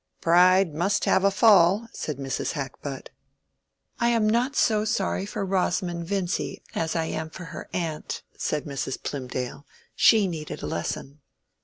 "Pride must have a fall," said Mrs. Hackbutt. "I am not so sorry for Rosamond Vincy that was as I am for her aunt," said Mrs. Plymdale. "She needed a lesson."